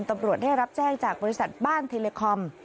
ตำรวจได้รับแจ้งจากบริษัทบ้านเทเลคอม